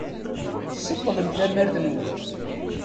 Tseṭṭlem tamart-nwen.